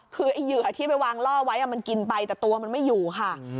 คือไอ้เหยื่อที่ไปวางล่อไว้มันกินไปแต่ตัวมันไม่อยู่ค่ะ